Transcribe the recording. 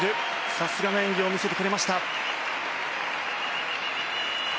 さすがの演技を見せてくれました。